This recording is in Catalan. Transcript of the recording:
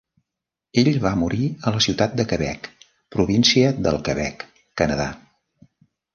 Ell va morir a la Ciutat de Quebec, província del Quebec, Canadà.